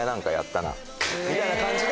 みたいな感じで。